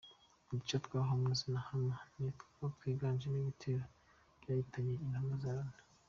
Uduce twa Homs na Hama ni two twiganjemo ibitero byahitana intumwa za Loni.